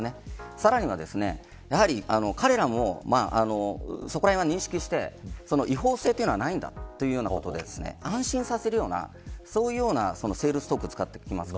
さらに彼らもそこらへんは認識して違法性というものはないんだということを安心させるセールストークを使ってきます。